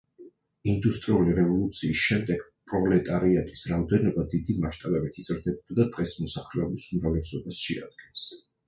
ინდუსტრიული რევოლუციის შემდეგ პროლეტარიატის რაოდენობა დიდი მასშტაბებით იზრდებოდა და დღეს მოსახლეობის უმრავლესობას შეადგენს.